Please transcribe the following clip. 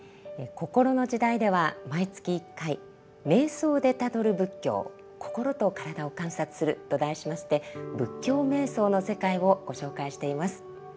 「こころの時代」では毎月１回「瞑想でたどる仏教心と身体を観察する」と題しまして仏教瞑想の世界をご紹介しています。